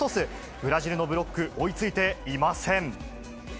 ブラジルのブロック、追いついていません。